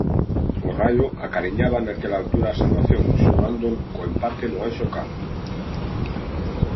O Raio acariñaba naquela altura a salvación xogando co empate no Anxo Carro.